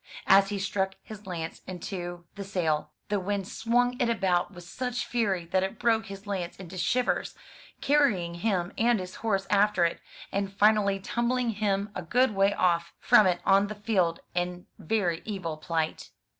As he struck his lance into the sail, the wind swung it about with such fury, that it broke his lance into shivers, carrying him and his horse after it, and finally tumbling him a good way off from it on the field in very evil plight.